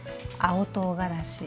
青とうがらし